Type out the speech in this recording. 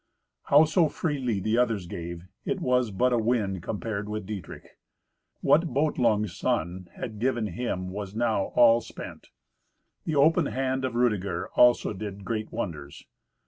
Howso freely the others gave, it was but a wind compared with Dietrich. What Botlung's son had given him was no wall spent. The open hand of Rudeger also did great wonders.